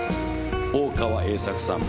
大川栄策さん。